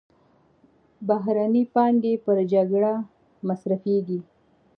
بهرنۍ پانګې پر جګړه مصرفېږي.